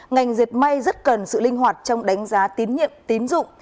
ngành diệt may rất cần sự linh hoạt trong đánh giá tín nhiệm tín dụng